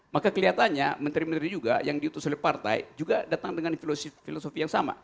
maka kelihatannya menteri menteri juga yang diutus oleh partai juga datang dengan filosofi yang sama